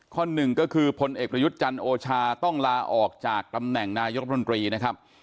หนึ่งก็คือพลเอกประยุทธ์จันทร์โอชาต้องลาออกจากตำแหน่งนายกรรมนตรีนะครับ